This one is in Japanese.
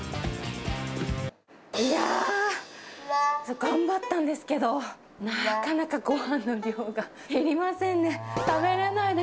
いやー。頑張ったんですけど、なかなかごはんの量が減りませんね。